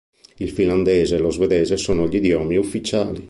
Il finlandese e lo svedese sono gli idiomi ufficiali.